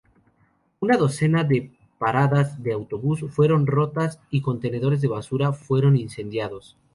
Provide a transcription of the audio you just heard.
Una docena de paradas de autobús fueron rotas y contenedores de basura fueron incendiados.